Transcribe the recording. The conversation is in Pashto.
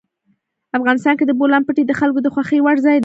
افغانستان کې د بولان پټي د خلکو د خوښې وړ ځای دی.